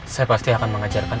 saya pasti akan mengajarkan